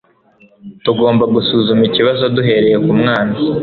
tugomba gusuzuma ikibazo duhereye ku mwana